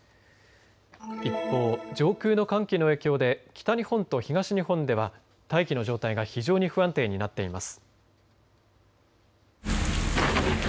一方、上空の寒気の影響で北日本と東日本では大気の状態が非常に不安定になっています。